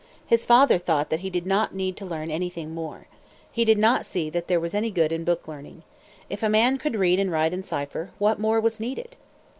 His father thought that he did not need to learn anything more. He did not see that there was any good in book learning. If a man could read and write and cipher, what more was needed?